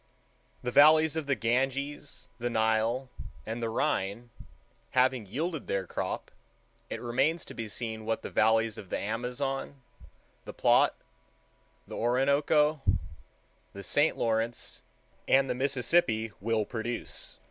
The valleys of the Ganges, the Nile, and the Rhine, having yielded their crop, it remains to be seen what the valleys of the Amazon, the Plate, the Orinoco, the St. Lawrence, and the Mississippi will produce.